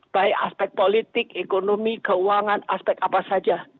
baik aspek politik ekonomi keuangan aspek apa saja